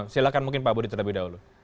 silahkan mungkin pak budi terlebih dahulu